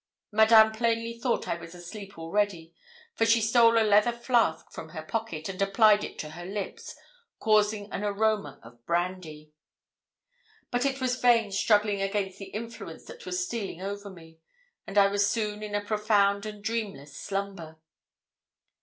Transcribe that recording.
Madame plainly thought I was asleep already, for she stole a leather flask from her pocket, and applied it to her lips, causing an aroma of brandy. But it was vain struggling against the influence that was stealing over me, and I was soon in a profound and dreamless slumber.